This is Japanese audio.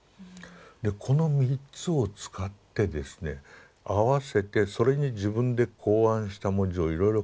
でこの３つを使ってですね合わせてそれに自分で考案した文字をいろいろ考えて彼は文字を作った。